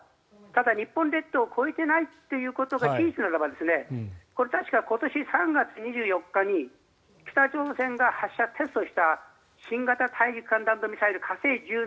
ただ日本列島を越えていないということが事実なら確か今年３月２４日に北朝鮮が発射テストをした新型大陸間弾道ミサイル火星１７。